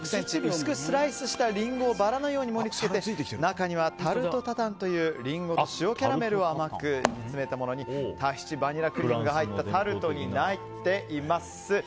薄くスライスしたリンゴをバラのように盛り付けて中にはタルトタタンというリンゴと塩キャラメルを甘く煮詰めたものにタヒチバニラクリームが入ったタルトになっています。